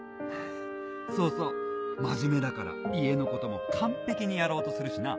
そうそう真面目だから家のことも完璧にやろうとするしな。